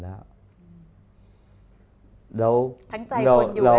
อเรนนี่แหละอเรนนี่แหละ